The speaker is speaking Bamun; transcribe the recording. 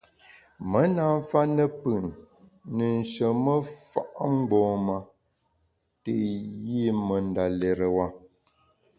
Me na mfa ne pùn ne nsheme fa’ mgbom-a te yi me ndalérewa.